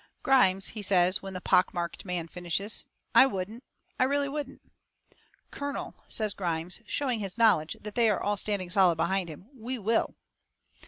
"Grimes," he says, when the pock marked man finishes, "I wouldn't. I really wouldn't." "Colonel," says Grimes, showing his knowledge that they are all standing solid behind him, "WE WILL!"